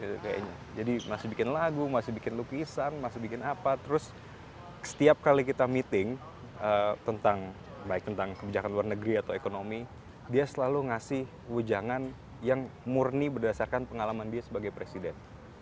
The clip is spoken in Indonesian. kayaknya jadi masih bikin lagu masih bikin lukisan masih bikin apa terus setiap kali kita meeting tentang baik tentang kebijakan luar negeri atau ekonomi dia selalu ngasih ujangan yang murni berdasarkan pengalaman dia sebagai presiden